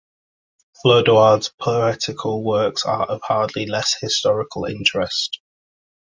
Flodoard's poetical works are of hardly less historical interest.